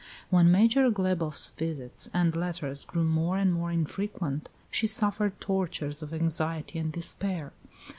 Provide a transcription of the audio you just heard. When Major Glebof's visits and letters grew more and more infrequent, she suffered tortures of anxiety and despair.